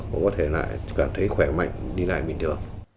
cũng có thể lại cảm thấy khỏe mạnh đi lại bình thường